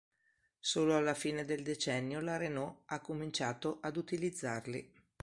Solo alla fine del decennio la Renault ha cominciato ad utilizzarli.